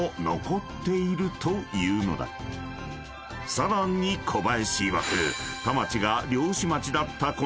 ［さらに小林いわく田町が］